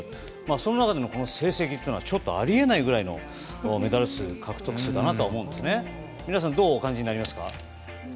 そんな中で、この成績というのはちょっとあり得ないぐらいのメダル獲得数だと思うんですが皆さんどうお感じになりますか？